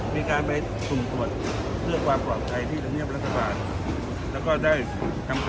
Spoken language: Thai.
มีข่าวเรื่องของเจ้าที่ที่เงียบรัฐบาลอ่อมีเชื้อโควิดต้องมีสารการล่าสุดเป็นยังไงบ้างครับ